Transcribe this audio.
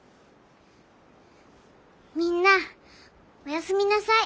みんなおやすみなさい。